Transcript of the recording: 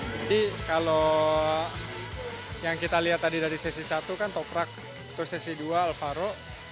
kalau yang kita lihat tadi dari sesi satu kan toprak terus sesi dua alvaro